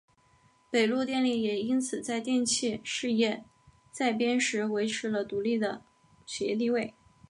北陆电力也因此在电气事业再编时维持了独立的企业地位。